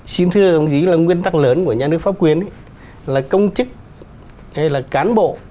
xin thưa đồng chí là nguyên tắc lớn của nhà nước pháp quyền là công chức hay là cán bộ